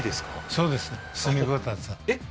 そうです炭ごたつえっ？